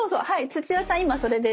土屋さん今それです。